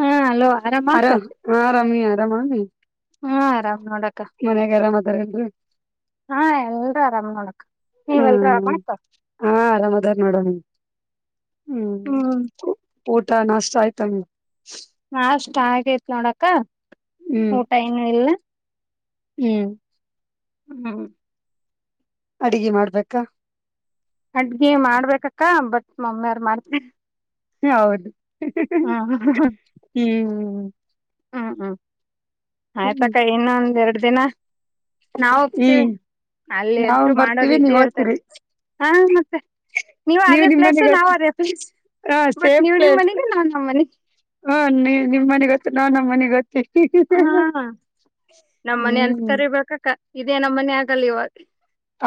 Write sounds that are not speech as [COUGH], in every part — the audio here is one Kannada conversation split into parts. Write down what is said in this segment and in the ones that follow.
ಹಾ ಅಲೋ ಆರಾಮ ಹ ಆರಾಮ ಆರಾಮಾಮೀ ಹಾ ಆರಾಮ್ ನೋಡ ಮನ್ಯಾಗ ಆರಾಮ್ದರು ಹಾ ಎಲ್ರ ಆರಾಮ್ ನೋಡಕ್ ನೀವೆ ಎಲ್ರ ಹ್ಮ್ ಆರಾಮ ಆ್ತ ಹಾ ಆರಾಮದಾರ್ ನೋಡೋಣ ಹ್ಮ್ ಊಟ ನಷ್ಟ ಆಯ್ತ ನ ನಾಷ್ಟ ಆಗೈತ್ ನೋಡಕ ಹ್ಮ್ ಊಟ ಏನು ಇಲ್ಲ ಹ್ಮ್ ಹ್ಮ ಅಡಗೆ ಮಾಡ್ಬೇಕಾ ಅಡ್ಗಿ ಮಾಡ್ಬೇಕಕ್ಕ ಬಟ್ ಮಮ್ಮಿಯಾರ್ ಮಾಡ್ತ ಹೌದು ಹಾ ಹ್ಮ್್ಮ ಹ್ಮ್ ಹ್ಮ್ ಹ್ಮ್ ಆಯ್ತಕ್ಕ ಇನ್ನೊಂದ್ ಎರಡು ದಿನ ನಾವ ಒಪ್ತೀವಿ ಹ್ಮ್ ಅಲ್ಲಿ ನಾವು ಎತ್ರು ಮಾಡೋ ಬರ್ತೀವಿ ನೀವ್ ವಿದ್ಯಾರ್ಥ ಓದ್ತೀರಿ ಹಾ ಮತ್ತೆ ನೀವು್ ನೀವ್ ಅದೇ ನಿಮ್ ಪ್ಲಸ್ ಮನೆಗ್ ನಾವ್ ಓದ್ತೀರಿ ಅದೇ ಪ್ಲಸ್ ಹಾ ಬಟ್ ನೀವ್ ನಿಮ್ ಮನೆಗೆ ನಾನ್ ನಮ್ಮನೆ ಹಾ ನೀ ನಿಮ್ಮ ಮನೆ ಗೊತ್ತು ನಾ ನಮ್ಮ ಮನೆಗ್ ಗೊತ್ತು [INAUDIBLE] ಹಾ ನಮ್ಮ ಮನೆ ಅಂತ ಹ್ಮ್ ಕರಿಬೇಕಕ್ಕ ಇದೇ ನಮ್ಮ ಮನೆ ಆಗಲ್ಲ ಇವಾಗ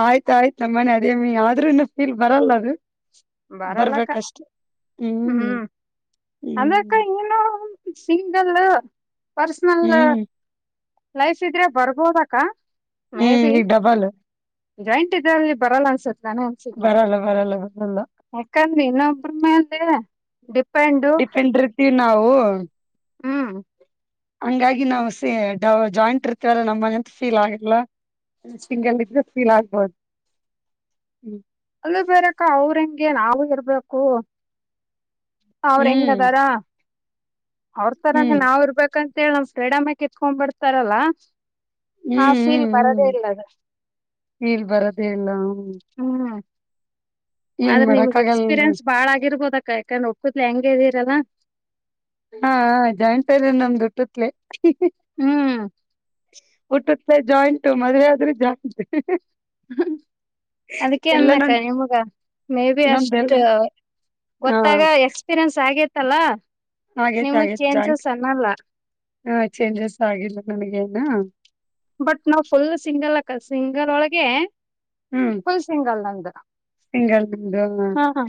ಆಯ್ತಾಯಯ್ತ ನಮ್ಮನೆ ಅದೇ ಆದ್ರೂ ಇನ್ನು ಫೀಲ್ ಬರಲ್ಲ ಅದು ಬರಲ್ಲಕ್ಕ ಬರ್ಬೇಕಷ್ಟೆ ಹ್ಮ್ ಹ್ಮ್ ಅಂದಕ್ಕ ಏನು ಸಿಂಗಲ್ ಪರ್ಸನಲ್ ಹ್ಮ್ ಲೈಫ್ ಇದ್ರೆ ಬರ್ಬೋದ ಹ್ಮ್ ಈಗ ಡಬಾಲ್ ಜಾಯಿಂಟ್ ಇದಲ್ಲಿ ಬರಲ್ಲ ಅನ್ಸತ್ ನಾನು ಬರಲ್ಲ ಬರಲ್ಲ ಬರಲ್ಲ ಯಾಕಂದ್ರಿ ಇನ್ನೊಬ್ರ ಮ ಅಂದ ಡಿಪೆಂಡ್ ಇರ್ತೀವಿ ನಾವು ಹ್ಮ್ ಹಂಗಾಗಿ ನಾವು ಸ ಡವ ಜಾಯಿಂಟ್ ಇರ್ತವಲ್ಲ ನಮ್ಮ ಮನೆಂತ ಫೀಲ್ ಆಗಲ್ಲ ಸಿಂಗಿದ್ರ ಫೀಲ್ ಆಗ್ಬೋದು ಹ್ಮ್ ಅಲ್ಲ ಬೇರಕ್ಕ ಅವ್ರಂಗೆ ನಾವು ಇರ್ಬೇಕು ಅವ್ರ ಹೆಂಗ ಹ್ಮ್ ಅದಾರ ಅವ್ರ ಹ್ಮ್ ತರಂಗ ನಾವ್ ಇರ್ಬೇಕಂತ ಮೇಳಮ್ ಪ್ರ್ರೀಡಾಮಕ್ ಎತ್ಕೊಂಡ್ಬಿಡ್ತಾರಲ್ಲಾ ಹ ಹ್ಮ್ ಫೀಲ್ ಬರದೇ ಹ್ಮ್ ಇಲ್ಲದ ಫೀಲ್ ಬರೋದೇ ಇಲ್ಲ ಹ್ಮ್ ಹ್ಮ ಏನ್ ಆದ್ರೆ ಮಾಡಕ್ ಆಗಲ್ರಿ ನಿಮ್ಗೆಕ್ಸ್ೀರಿಯನ್ಸ್ಾಳ ಆಗಿರ್ಬೋದ ಅಾ ಯಾಕಂದ್ರೆ ಒಕ್ಕತ್ಲಿ ಹೆಂಗ ಇದೀರಲ್ಲಾ ಹಾ ಜಾಯತದ ನಮ್ದ ದುಟ್ಟತ್ಲೆ ಹ್ಮ್ ಹುಟ್ಟತ್ ಜಾಯಿಂಟು ಮದ್ೆ ಆದ್ರೂ ಜಾಯಿಂಟ್ ಅದಕ್ಕೆ ಎಲ್ಲಾ ಅನ್ಕ್ಕ ನನ್ ನಿಮಗ ಮೇ ಬಿ ಅಷ್ಟ ನಮ್ದೆಲ್ಲ ಹಾ ಗೊತ್ತಾಗ ಎಕ್ಸ್ಪೀರಿಯನ್ಸ್ ಆಗೇತ್ತಲ್ಲ ನಿಮ ಚೇಂಜಸ್ ಅನ್ನಲ್ಲ ಹಾ ಚೇಂಜಸ್ ಆಗಿಲ್ಲ ನನಗೇನ ಬಟ್ ನಾವ್ ಫುಲ್ ಸಿಂಗಲ್ಕ ಸಿಂಗಲ್ ಒಳಗೆ ಹ್ಮ್ ಫುಲ್ ಸಿಂಗಲ್ ನಂದು ತಿಂಗಳಂದು ಹಾ ಹಾ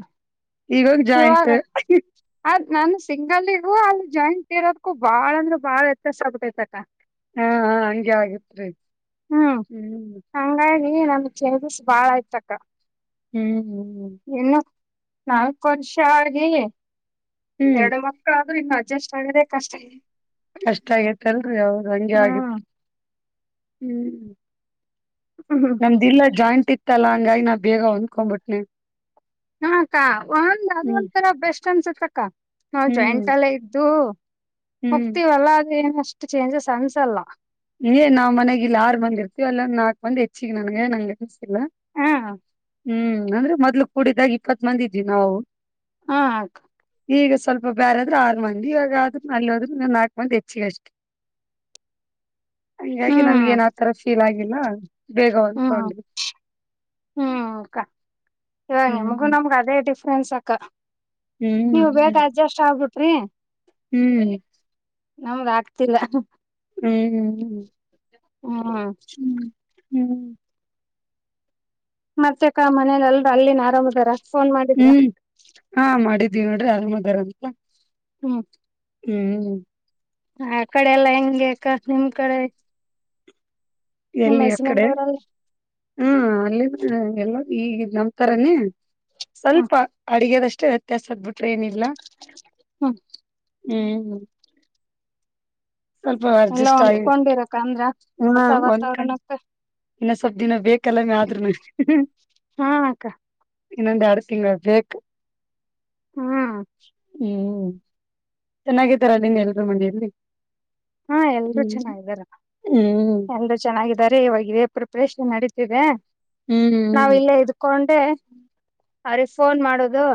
ಈಗಾಗ ಜಾಯಂಸ್ ಇವಾಗ ಅದ್ ನಾನು ಸಿಂಗಲ್ ಇ ಅಲ್ಲಿ ಜಾಯಿಂಟ್ ಇರೋದಕ್ಕೂ ಬಾಳ ಅಂದ್ರೆ ಬಾಳ ವ್ಯತ್ಯಾಸ ಆಗ್ತೈತಕ್ಕ ಹಾ ಹಂಗಗೆ ಆಗತ್ೀ ಹ್ಮ್ ಹಂಗಾಗಿ ನಮ ಚೇಂಜಸ್ ಬಾಳ ಇಯ್ತಕ್ಕ ಹ್ಮ್್ಮ್ಮ್್ಮ ಇನ್ನು ನಾಲ್ಕು ವರ್ಷ ಆಗಿ ಹ್ಮ್ ಎರಡು ಮಕ್ಕಳಾದ್ರರು ಇನ್ನು ಅಡ್ಜಸ್ಟ್ ಆಗಿದೆ ಕಷ್ಟ ಇದೆ ಕಷ್ಟ ಆಗೇತ್ತಲ್ರಿ ಅವ್ರ ಹಂಗೆ ಆಗಿತ್ ಹ್ಮ್ ಹ್ಮ್ ಹ ಹಾ ನಿ್ ಇಲ್ಲ ಜಾಯಿಂಟ್ ಇತ್ತಲ್ಲ ಹಂಗಾಗಿ ನಾ ಬೇಗ ಹೊಂದಕೊ್ಂಬಿಟ್ನೆ ಹಾ ಅಕ್ಕ ಒಂದ್ ಅದು ಹ್ಮ್ ಒಂದ ತರ ಬೆಸ್ಟ್ ಅನ್ಸತ್ತ ಅಕ್ಕ ನಾ ಹ್ಮ್ ಜಾಯಿಂಟ್ ಎಲ್ಲ ಇದ್ದು ಹ್ಮ್ ಹೋಗ್ತಿವಲ್ಲ ಅದ ಏನ ಅಷ್ಟು ಚೇಂಜಸ್ ಅನ್ಸಲ್ಲ ಏ್ ನಾವ್ ಮನೆಗೆ ಇಲ್ಲಿ ಆರುಂದ ಇರ್ತೀವಿ ಅಲ್ಲೊಂದು ನಾಲ್ಕ್ ಮಂದ್ ಹೆಚ್ಚಿಗೆ ನನ್ಗೆ ನಂಗೆ ಲ್ಲ ಹ್ಮ್ ಹ್ಮ್ ಅಂದ್ರೆ ಮೊದ್ಲು ಕೂಡಿದಾಗ ಇಪ್ಪತ್ ಮಂದಿ ಇದ್ವಿ ನಾವು ಹಾ ಆಯ್ತು ಈಗ ಸ್ವಲ್ಪ ಬೇರೆ ಆದ್ರರು ಆರು ಮಂದಿ ಇವಾಗಾದ್ರ ಅಲ್ಲಿ ಹೋದ್ರ ನಾಲ್ಕು ಮಂದಿ ಹೆಚ್ಚಿಗೆ ಅಷ್ಟೆ ಹೀಗಾಗಿ ಹ್ಮ್ ನಮ್ಗೆ ಏನ ಆತರ ಫೀಲ್ ಆಗಿಲ್ಲ ಬೇಗ ಅಂದ್ಕೊಂಡು ಹ್ಮ್ಕ್ಕ ಇವಾಗ ನಿಮಗು ಹ್ಮ್ ನಮ್ಗ ಅದೇ ಡಿಫ್ರೆನ್ಸ್ ಅಕ್ಕ ಹ್ಮ್ ನೀವು ಬೇ ಹ್ಮ್ ಅಡ್ಜಸ್ಟ್ ಆಗ್ಬಿಟ್ರಿ ಹ್ಮ್ ನಮ್ಗ ಆಗ್ತಿಲ್ಲ ಹ್ಮ್ ಹ್ಮ್್ಮ ಹಾ ಹ್ಮ್ ಹ್ಮ್ ಮತ್ತೆಕ್ಕ ಮನೇನಲ್ರ ಅಲ್ಲಿನ್ ಆರಾಮ್ದಾರ ಹ್ಮ್ ಹಾ ಮಾಡಿದ್ದೀವಿ ನೋಡ್ರಿ ಆರಾಮದಾರಂತ ಹ್ಮ ಹ್ಮ್ ಆ ಕಡೆ ಎಲ್ಲಾ ಹೆಂಗ ನಿಮ್ ಕಡೆ ನಿಮ್ ಎಲ್ಲಿ ಯ ಹಸ್ಬೆಂಡ್ ಕಡೆ ಅವರಲ್ಲಿ ಹ್ಮ ಅಲ್ಲಿ ಎಲ್ಲ ಈಗ ನಂಬ್ತಾರನೇ ಹ್ಮ್ ಸ್ವಲ್ಪ ಅಡಿಗೆದಷ್ಟೇ ವ್ಯತ್ಯಾಸ ಆಗ್ಬಿಟ್ರೆ ಏನಿಲ್ಲ ಹ್ಮ್ ಹ್ಮ್್ಮ ಸ್ವಲ್ಪ ಎಲ್ಲಾ ಅರ್ಜಸ್ ಆಯಿ ಹೊಂದ್ಕೊಂಡಿರಕ್ಕ ಅಂದ್ರ ಹ್ಮ ಹೊಸ ಒಂದ್ ಕಡೆ ವಾತಾವರಣಕ್ಕ ಇನ್ನು ಸ್ವಲ್ ದಿನ ಬೇಕಲ್ಲ ಮ ಆದ್ರು ನಗೆ ಹಾ ಅಕ್ಕ ಇನ್ನೊಂದ ಎರಡು ತಿಂಗಳು ಬೇಕು ಹ್ಮ ಹ್ಮ್ ಚೆನ್ನಾಗತಾರ ನಿನ್ ಎಲ್ರುೂ ಮಂಡಲ್ಲಿ ಹಾ ಎಲ್ರೂ ಹ್ಮ್ ಚೆನ್ನಾಗಿದಾರ ಹ್ಮ್ ಎಲ್ರೂ ಚೆನ್ನಾಗಿದ್ದಾರೆ ಇವಾಗಿದೆ ಪ್ರಿಪರೇಷನ್ ನಡೀತಿದೆ ಹ್ಮ್ ಹ್ಮ್ ನಾವ ಇಲ್ಲೇ ಇದ್ಕೊಂಡೆ ಅವ್ರಿಗೆ ಫೋನ್ ಮಾಡುದು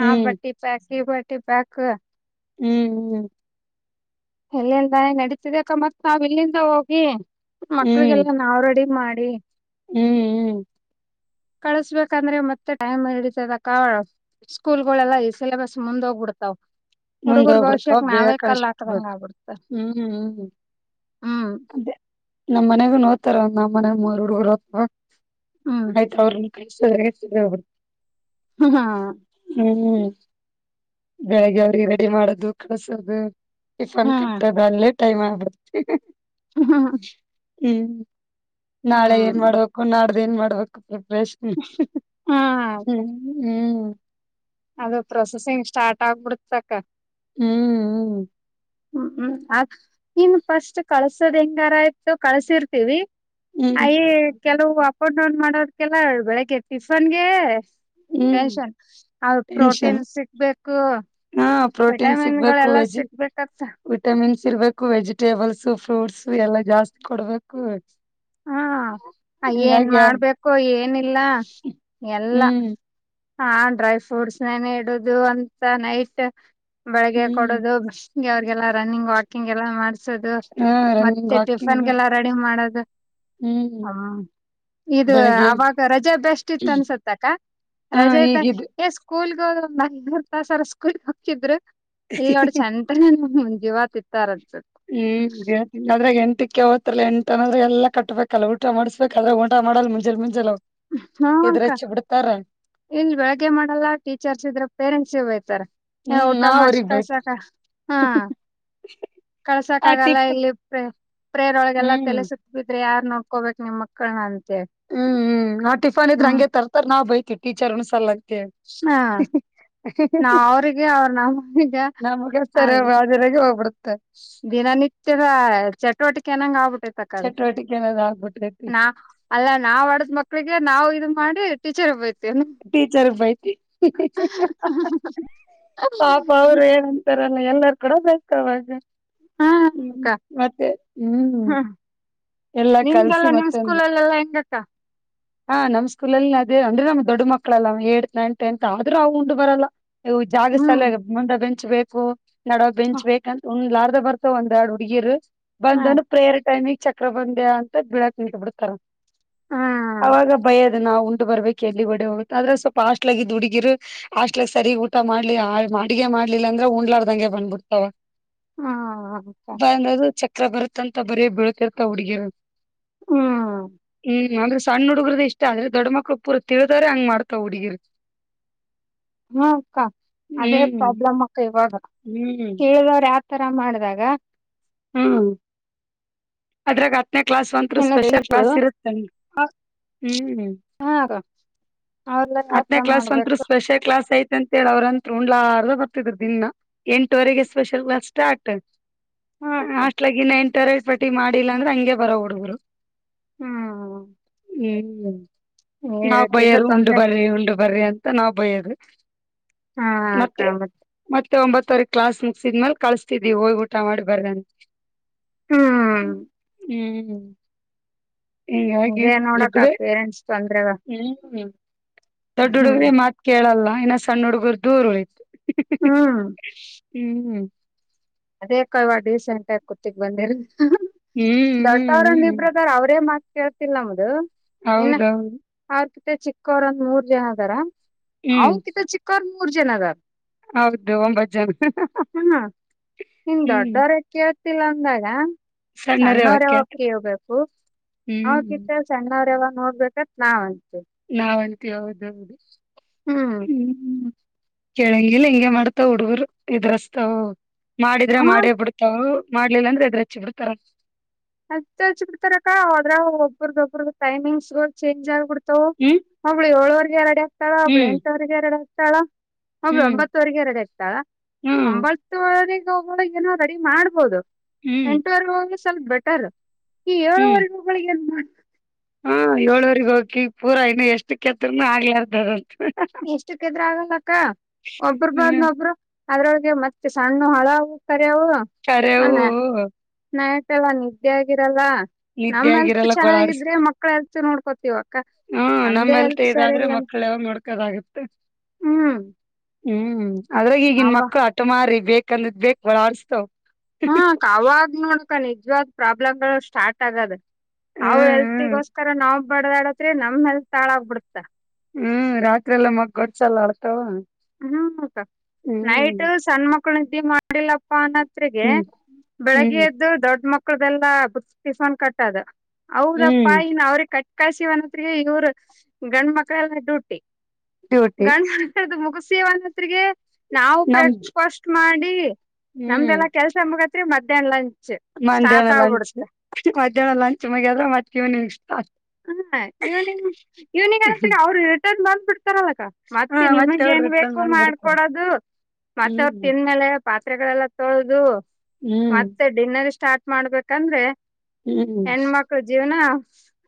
ಹಾ ಹ್ಮ್ ಬಟ್ಟಿ ಪ ಈ ಬಟ್ಟಿ ಪ್ಯಾಕ ಹ್ಮ್ ಹ್ಮ್ ಎಲ್ಲಿಂದ ನಡತಿದಕ್ಕ ಮತ್ ನಾವ ಇಲ್ಲಿಂದ ಹೋಗಿ ಹ್ಮ್ ಮಕ್ಳಿಗೆಲ್ಲ ನಾವ್ ರೆಡಿ ಮಾಡಿ ಹ್ಮ್ ಹ್ಮ್ ಕಳಸ್ಬೇಕಂದ್ರೆ ಮತ್ತೆ ಟೈಮ್ ಹಿಡತದ ಕಾವಳ ಸ್ಕೂಲ್ ಗಳೆಲ್ಲಾ ಸಿಲೆಬಸ್ ಮುಂದೋಗ್ಬಿಡ್ತಾವ್ ಮುಂದ್ ಹುಡುಗರ್ ಹೋಗ್ಬಿಡ್ತಾವ ಭವಿಷ್ಯಕ್ ಬೇಗ ನಾವೇ ಕಲ್ಲತ ಕ್ಕದಂಗ ಕಳಿಸಿಬಿಡ್ಬೇಕು ಆಗ್ಬಿಡ್ತ ಹ್ಮ್ ಹ್ಮ್ ಅದೇ ನಮ್ಮ್ ಮನೆಗೂ ನೋಡ್ತಾರ ನಮ್ಮ ಮನೆರರು ಅಥವಾ ಹ್ಮ್ ಆಯ್ತ ಅವ್ರ ಎ ಹ್ಮ ಹಾ ಹ್ಮ್ ಬೆಳಿಗ್ಗೆ ಅಡಿಗೆ ರೆಡಿ ಮಾಡದು ಕಳ್ಸದು ಟಿಫನ್ ಹ್ಮ್ ಕಟ್ಟದ ಅಲ್ಲೇ ಟೈಮ್ ಆಗುತ್ತೆ ಹ್ಮ ಹಾ ಹ್ಮ್ ನಾಳೆ ಹ್ಮ್ ಏನ್ ಮಾಡ್ಬೇಕು ನಾಡ್ದು ಏನ್ ಮಾಡ್ಬೇಕು ಪ್ರಿಪ್ರೇಷನ್ ಹ್ಮ್ ಹ್ಮ ಹ್ಮ್ ಹ್ಮ್ ಅದು ಪ್ರೊಸೆಸಿಂಗ್ ಸ್ಟಾರ್ಟ್ ಆಗ್ಬಿಡತ್ ಸಕ ಹ್ಮ್್ಮ ಹ್ಮ್ ಹ್ಮ್ ನೀನ್ ಫಸ್ಟ್ ಕಳ್ಸೋದ್ ಹೆಂಗಾರ ಆಯ್ತು ಕಳ್ಸಿರ್ತೀವಿ ಹ್ಮ್ ಅಯ ಕೆಲವು ಅಪ್ ಅಂಡ್ ಡೌನ್ ಮಾಡೋದಕಲ್ಲ ಬೆಳಿಗ್ಗೆ ಟಿಫನ್ಗೆ ಹ್ಮ್ ಟೆನ್ಷನ್ ಟೆನ್ಷನ್ ಪ್ರೋಟೀನ್ ಸಿಗ್ಬೇಕು ಹಾ ಪ್ರೋಟೀನ್ ಸಿಗ್ಬೇಕು ವೆಜ್ಜಿ ಸಿಕ್ಬೇಕತ್ತ ವಿಟಮಿನ್ಸ್ ಇರ್ಬೇಕು ವೆಜಿಟೇಬಲ್ಸ್ ಫ್ರೂಟ್ಸ್ ಎಲ್ಲಾ ಜಾಸ್ತಿ ಕೊಡ್ಬೇಕು ಹಾ ಏನ್ ಹಂಗಾಗಿ ಮಾಡ್ಬೇಕು ಏನಿಲ್ಲ ಎಲ್ಲ ಹ್ಮ್ ಹಾ ಡ್ರೈ ಫ್ರೂಟ್ಸ್ನನೆ ಇಡುದು ಅಂತ ನೈಟ್ ಬೆಳಗ್ಗೆ ಹ್ಮ್ ಕೊಡದು ಅವಿಗೆಲ್ಲ ರನ್ನಿಂಗ್ ವಾಕಿಂಗ್ ಎಲ್ಲಾ ಮಾಡ್ಸುದು ಹಾ ರನ್ನಿಂಗ್ ಮತ್ತೆ ವಾಕಿಂಗ್ ಟಿಫನ್ಗೆಲ್ಲ ರೆಡಿ ಮಾಡೋದು ಹ್ಮ್ ಹ್ಮ ಇದು ಬೆಳಿಗ್ಗೆ ಅವಾಗ ರಜೆ ಬೆಸ್ಟ್ ಇತ್ತು ಅನ್ಸತ್ತಕ್ಕ ಹಾ ರಜೆ ಇದ್ದಾಗ ಈಗಿದ್ದು ಎಸ್ ಸ್ಕೂಲ್ಗ ಹೋದಂದರ್ ತಸರ ಸ್ಕೂಲ್ ಹಕ್ಕಿದ್ರು ಇಲ್ ನೋಡ ಚೆಂದ ಹಜೆ ವತ ತಾರ ಹ್ಮ್ ದೇ ಆದ್ರೆ ಎಂಟಕ್ಕೆ ಹ್ಲ್ಲಾ ಎಂಟ ಅನ್ರೆ ಎಲ್ಲಾ ಕಟ್ಬೇಕಲ್ಲ ಊಟ ಮಾಡ್ಸ ಸ ಅದ ಊಟ ಮಾಡಲ್ ಮುಂಚೆ ಮುಂಚೆ ಹಾ ಅಕ್ಕ ಇನ್ ಬೆಳಗ್ಗೆ ಮಾಡಲ್ಲ ಟೀಚರ್ಸ್ ಇದ್ರ ಪೇರೆಂಟ್ಸ್ ಹಯ್ತಾರ ಹ್ಮ್ ಊಟ ನಾವ್ ಮಾಡಸ ಅವ್ರಗ್ ಬೈತಿ ಕಳ್ಸಾಕ್ ಹಾ ಕಳ್ಸಾಕ್ ಆ ಆಗಲ್ಲ ಟಿಫನ್ ಇಲ್ಲಿ ಪ್ರೇ ಪ್ರೇರ್ಳಗೆಲ್ಲಾ ಹ್ಮ್ ತಲೆಸತ್ ಬಿದ್ರೆ ಯಾರ್ ನೋಡ್ಕೋಬೇಕಕ್ ನಿಮ್ಮ ಮಕ್ಳನ ಅಂತೆ ಹ್ಮ್ ಹ್ಮ್ ಆ ಟಿಫನ್ ಇದ್ರ ಹಂಗೆ ತರ್ತರ್ ನಾವ್ ಬೈತಿವಿ ಟೀಚರ್ ಒಣ್ ಸಲ ಅಂತಿ ಹಾ ನಾ ಅವ್ರಿಗೆ ಅವ್ರ ನಮ್ಮನಗ ಅದೇ ರೆಗೆ ಹೋಗ್ಬಿಡುತ್ತೆ ದಿನನಿತ್ಯದ ಚಟುವಟಿಕೆಏನಂಗ ಆಗ್ಬಿಟ್ಟೈತಕ್ಕ ಅದು ಚಟುವಟಿಕೆನದ್ ಆಗ್ಬಿಟೈತಿ ಅಲ್ಲಾ ನಾವ್ ಆಡದ್ ಮಕ್ಳಿಗೆ ನಾವವು ಇದದು ಮಾಡಿ ಟೀಚರ್ಬೋಯತವಿ ಟೀಚರ್ ಬೈತಿ ಪಾಪ ಅವ್ರ ಏ ರ ಎಲ್ಲಾರ ಕೂಡ ಬೇಕ ಅವಾಗ ಹಾ ಹ್ಮ್ ಅಕ್ಕ ಮತ್ತೆ ಹ್ಮ್ ಎಲ್ಲ ನಿಮ್ದೆಲ್ಲ ಕಳ್ಸಿ ನಿಮ್ ಮತ್ತೆ ಸ್ಕೂಲಲ್ಲೆಲ್ಲಾ ಹೆಂಗಕ್ಕ ಹಾ ನಮ್ ಸ್ಕೂಲಲ್ಲಿ ಅದೇ ಅಂದ್ರೆ ನಮ್ ದೊಡ್ಡ ಮಕ್ಕಳಲ್ಲ ಏ ನೈನ್ ಟೆತ್ ಆದ್ರೂ ಅವ ಉಂಡು ಬರಲ್ಲ ಇ ಜಾಗ ಹ್ಮ್ ಸಲ್ಲ ಮುಂದ ಬೆಂಚ್ ಬೇಕು ನಡವ ಬೆಂಚ್ ಹ್ಮ್ ಬೇಕಂತ ಉಣ್ಣ ಲಾರ್ದ ಬರ್ ಒಂದ್ ಎರಡ್ ಹುಡ್ಗಿರು ಬಂದನು ಪ್ರೇಯರ್ ಟೈಮಿಗೆ ಚಕ್ರ ಬಂದ್ಯ ಅಂತ ಬಿಳಾಕ್ ಇಟ್ ಬಿಿಡ್ತಾರ ಹ್ಮ್ ಅವಾಗ ಭಯದು ನಾವು ಉಂಡು ಬರ್ಬೇಕು ಎಲ್ಲಿ ಡೆ ಹೋಗುತ್ತೆ ಆದ್ರೆ ಸ್ವಲ್ಪ ಹಾಸ್ಟ್ಲಗಿದ್ದ ಹುಡುಗಿರು ಹಾಸ್ಟೆಲ್ಕ್ ಸರಿ ಊಟ ಮಾಡ್ಲಿ ಅಡಿಗೆ ಮಾಡ್ಲಿಲ್ಲ ಅಂದ್ರೆ ಉಂಡ್ಲಾರ ದಂಗೆ ಬಂದ್ಬಿಡ್ತಾವ ಹ್ಮ್ ಬಂದದು ಚಕ್ರ ಬರುತ್ತ ಅಂತ ಬರೀ ಬೀಳ್ತಿರ್ತಾವ ಹುಡ್ಗಿ ಹ್ಮ್ ಹ್ಮ್ ಆದ್ರೆ ಸಣ್ಣ ಹುಡುಗ್ರದ ಇಷ್ಟ ಆದ್ರೆ ದೊಡ್ಡ ಮಕ್ಳು ಪೂರ್ ತಿಳಿದಾರೆ ಹಂಗ ಮಾಡತಾವ ಹುಡುಗೀರ್ ಹ್ಮ ಅಕ್ಕ ಅದೇ ಹ್ಮ್ ಪ್ರಾಬ್ಲಮ್ ಅಕ್ಕ ಇವಾಗ ಹ್ಮ್ ಕೇಳಿದವ್ರ ಆತ್ ತರ ಮಾಡಿದಾಗ ಹ್ಮ್ ಅದ್ರಗ ಕ್ಲಾಸ್ ಒಂತ್ ಇನ್ನು ಸ್ಪೆಷಲ್ ತಿಳಿಗಳು ಕ್ಲಾಸ್ ಇರುತ್ತೆ ಹ್ಮ್ ಹಾ ಅವ್ರಲ್ಲ ಯಾವತರ ಹತ್ತನೇಕ್ಲಾಸ್ ಒಂರು ಮಾಡ್ಬೇಕು ಸ್ಪೆಷಲ್ ಕ್ಲಾಸ್ ಐತಿ ಅಂತೇಳಿ ಅವ್ರಂತ್ ಉಂಡ್ಲಾರ ಬರ್ತಿದ್ರು ದಿನ ಎಂಟವರೆಗೆ ಸ್ಪೆಷಲ್ ಕ್ಲಾಸ್ ಸ್ಟಾರ್ಟ್ ಹಾ ಅಕ್ಕ ಹಾಸ್ಟೆಲ್ ನಾಗ ಇನ್ನ ಎಂಟರಟ್ ಪಟ್ಟಿ ಮಾಡಿಲ್ಲ ಅಂದ್ರೆ ಹಂಗಗೆ ಬರೋ ಹುಡುಗರು ಹ್ಮ್ ಹ್ಮ್ ಈ ನಾವ್ ರೀತಿಯಿಂದ ಬಯರು ಉಂಡು ತೊಂದ್ರೆ ಬರ್ರಿ ಉಂಡು ಬರ್ರಿ ಅಂತ ನಾವ್ ಬಯ್ಯೋದು ಹಾ ಮತ್ತೆ [UNINTELLIGIBLE] ಮತ್ತೆ ಒಂಬತ್ತವರೆ ಕ್ಲಾಸ್ ಮುಗಸಿದ ಮ್ಯಾಲ ಕಳಸ್ತಿದ್ವಿ ಹೋಗಿ ಊಟ ಮಾಡ್ಬಾರ್ದಂತ ಹ್ಮ್ ಹ್ಮ್ ಹಿಾಗಿ ಇದೇ ನೋಡಕ [INAUDIBLE] ೊಡ್ಡ್ದೇ ಪೇರೆಂಟ್ಸ್ ತೊಂದ್ರೆಗ ಹ್ಮ್ ಹ್ಮ್ ದೊಡ್ಡ ಹ್ಮ್ ಹುಡುಗ್ರ ಮಾತ್ ಕೇಳಲ್ಲ ಇನ್ನ ಸಣ್ಣ ಹುಡುಗರ ದೂರು ಉಳತು ಹಾ ಹ್ಮ್ ಹ್ಮ್ ಅದೇ ಕಲ್ವಾ ಡೀಸೆಂಟ್ ಆಗ ಕೂತಿಕ್ ಬಂದಿಲ್ ಹ್ಮ್ ಹ್ಮ್ ದೊಡ್ ಹ್ಮ್ ಇಬ್ರದ ಅವ್ರೇ ಮಾತ ಕೇಳ್ತಿಲ್ಲ ನಮ್ಮದು ಹೌದೌದು ಅವ್ರ ಕಿತ್ತ ಚಿಕ್ಕವರ ಒಂದ್ ಮೂರ್ ಜನ ಅದಾರ ಅವ್ರ ಹ್ಮ್ ಕಿತ ಚಿಕ್ಕವರ್ ಮೂರ್ ಜನ ಅದಾರ ಹೌದು ಒಂಬತ್ತು ಜನ ನಿನ್ ಹ್ಮ್ ದೊಡ್ಡವ ರಕ್ಕಿ ಆತಿಲ್ಲ ಅಂದಾಗ ಸಣ್ಣರೇ ಸಣ್ಣವರೆವ ಅವಕ್ಕೆ ಕ ಹಬೇಕು ಹ್ಮ್ ಸಣ್ಣವ್ರ ಯಾವಾಗ ನೋಡ್ಬೇಕತ್ ನಾವ್ ಅಂತೇವಿ ನಾವಂತೀ ಹೌದೌದು ಹ್ಮ್ ಹ್ಮ್ ಕೆಳಂಗಿಲ್ ಹಿಂಗಗೆ ಮಾಡ್ತಾವ ಹುಡುಗರ್ ಇದ್ರಸ್ತಾವ ಮಾಡಿದ್ರೆ ಹ ಮಾಡೇ ಬಿಡ್ತಾವ್ ಮಾಡ್ಲಿಲ್ಲ ಅಂದ್ರೆ ಇದದ್ರೆಚ್ಚಿ ಬಿಡ್ತಾರ ಹಚ್ಚ ಹಚ್ ಬಿಡ್ತಾರಕ್ಕ ಹದ್ರ ಒಬ್ಬ್ರದ ಒಬ್ರ ಟೈಮಿಂಗ್ಸ್ ಚೇಂಜ್ ಆಗ್ಬಿಡ್ತಾವ ಹ್ಮ್ ಒಬ್ಳ ಏಳವರ್ ಎರಡ ಆಗ್ತಾಳ ಒಬ್ಳ ಹ್ಮ್ ಎಂಟವರ್ರಿಗೆ ಎರಡೆ ಆಗ್ತಾಳ ಒಬ್ಳ ಹ್ಮ್ ಒಂಬತ್ತವರೆಗೆ ಎರಡು ಇರ್ತಾಳ ಹ್ಮ್ ಹಂಬ ಎ ಒಗೆ ಹೋಗ ಏನೋ ರೆಡಿ ಮಾಡ್ಬಹುದು ಹ್ಮ್ ಎಂಟವರೆಗ ಹ ಸ್ವಲ್ಪ ಬೆಟ್ಟ ಟ ಹ ಹ್ಮ್ ಹಗಳಿಗೆ ಮಾಡ ಹಾ ಏಳವರಿಗ ಹೋಗಕಿ ಪೂರಾ ಇನ್ನು ಎಷ್ಟು ಕೆತ್ತರ್ನು ಆಗ್ಲಾರ್ದಾರಂತ ಇಷ್ಟಕ್ಕೆದ್ರ ಆಗಲ್ಲಕ್ಕ ಒಬ್ರು ಹ್ಮ್ ಬಂದ್ೊಬ್ರು ಅದ್ರೊಳಗೆ ಮತ್ತೆ ಸಣ್ಣ ಹಳ ಸರಿವು ಅ ಕರೆವು ನ ನಾಯತಲ್ಲ ನಿದ್ದೆ ಆಗಿರಲ್ಲ ನಿದ್ದೆ ನಮ್ಮ್ ಎಲ್ತ್ ಆಗಿರಲ್ಲ ಗೋಳಾಡ್ಸ್ ಚೆನ್ನಾಗಿದ್ರೆ ಮಕ್ಳ ಎಲ್ತ್ ನೋಡ್ಕೋತಿವ ಅಕ್ಕ ಹ್ಮ ನಮ್ದೇ ನಮ್ಮ್ೆಲ್ತೆ ಹೆಲ್ತ್ ಸರಿ ಇದಾದ್ರೆ ಇಲ್ಲ ಮಕ್ಳ ಯಾವಾಗ ನೋಡ್ಕೋದಾಗತ್ತೆ ಹ್ಮ್ ಹ್ಮ್ ಅದ್ರಾಗ ಈಗನ್ ಅವ ಮಕ್ಳು ಆಟ ಮಾರಿ ಬೇಕಂದ್ ಬೇಕಕ್ ಬಳ ಆಡ್ಸ್ತಾವ್ ಹ್ಮ ಕಾವಾಗ ನೋಡಕ ನಿಜವಾದ್ ಪ್ರಾಬ್ಲಮಗಳು ಸ್ಟಾರ್ಟ್ ಆಗದ ಅವ್ ಹ್ಮ್ ಹ್ಮ್ ಹೆಲ್ತಿಗೋಸ್ಕರ ನಾವ್ ಬಡದಾಡತ್ರಿ ನಮ್ ಹೆಲ್ತ್ ತಾಳಾಗ ಬಿಿಡ್ತ ಹ್ಮ್ ರಾತ್ರಿ ಎಲ್ಲ ಮಗ್ ಗಡ್ಸ ಎಲ್ಲ ಆಳ್ತಾವ ಹ್ಮ್ ನೈಟ್ ಸಣ್ಣ ಮಕ್ಳು ಇದ್ದಿ ಮಾಡಿಲ್ಲಪ್ಪ ಅನ್ನ ಜತ್ಗೆ ಹ್ಮ್ ಹ್ಮ್ ಬೆಳಗ್ಗೆ ಎದ್ದು ದೊಡ್ಡ ಮಕ್ಕಳು ಟಿಫನ್ ಕಟ್ಟೋದು ಹೌದಪ್ಪಾ ಹ್ಮ್ ಇನ್ ಅವ್ರಿಗೆ ಕಟ್ಕಾಸಿವನತ್ಿಗೆ ಇವ್ರ ಗಂಡ ಮಕ್ಳಲ್ಲ ಡೂಟಿ ಡ್ಯೂಟಿ ಗಂಡ ಮುಗ್ಸಿಮೆ ಅನ್ನೋದೊಟ್ಟಿಗೆ ನಾವು ನಮ್ ಬ್ರೇಕ್ಫಾಸ್ಟ್ ಮಾಡಿ ಹ್ಮ್ ನಮ್ದೆಲ್ಲ ಕೆಲಸ ಮುಗಿಯೋ ಅಷ್ಟೊತ್ತಿಗೆ ಮಧ್ಯಾಹ್ನ ಲಂಚ ಮಧ್ಯಾಹ್ನ ಲಂಚ್ ಮಧ್ಯಾಹ್ನ ಲಂಚ್ ಮದ್ರ ಮಟ್ಕಿವ ನೀ ಇಷ್ಟ ಹಾ ಇವ್ನಿಂಗ್ ಇವ್ನಿಂಗ್ ಅನತ ಅವ್ರು ರಿಟೈರ್ ಮಾಡ್ಬಿಡ್ತಾರಲ್ಲಕ್ಕ ಹ ಮತ್ತೆ ನಿಮಗೆ ಅವ್ರು ಏನು ರಿಟರ್ನ್ ಬೇಕಾದರೂ ಬಂದ್ಬಿಡ್ತಾರೆ ಮಾಡಿಕೊಡೋದು ಮತ್ತೆ ಅವರು ಹ್ಮ್ ತಿಂದ ಮೇಲೆ ಪಾತ್ರೆಗಳೆಲ್ಲ ತೊಳೆದು ಹ್ಮ್ ಮತ್ತೆ ಡಿನ್ನರ್ ಸ್ಟಾರ್ಟ್ ಮಾಡ್ಬೇಕಂದ್ರೆ ಹ್ಮ್ ಹೆಣ್ಮಕ್ಳ ಜೀವ್ನ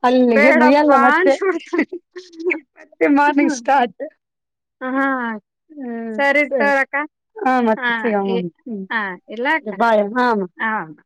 ಅಲ್ಲಿಗೆ ಬೇಡಪ್ಪ ಮುಗಿಯಲ್ಲ ಮತ್ತೆ ಅಂತ ಅನ್ನಿಸುತ್ತೆ ಹತ್ತು ಹ ಹಾ ಆಯ್ತು ಸರಿ ಹಾಳಕ್ಕ ಮತ್ತೆ ಹಾ ಸಿಗಮ್ಮ ಹ್ಮ್ ಹಾ ಇಲ್ಲ ಅಕ್ಕ ಬಾಯ್ ಹಾ ಅಮ್ಮ. ಹದು